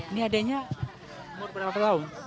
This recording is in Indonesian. ini adanya umur berapa tahun